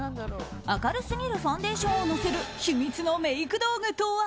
明るすぎるファンデーションを乗せる秘密のメイク道具とは。